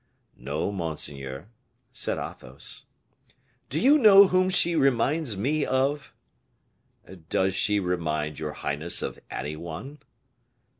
"No, monseigneur," said Athos. "Do you know whom she reminds me of?" "Does she remind your highness of any one?"